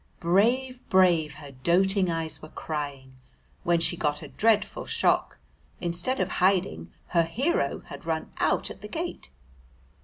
"Brave, brave!" her doting eyes were crying when she got a dreadful shock; instead of hiding, her hero had run out at the gate!